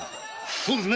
そうですね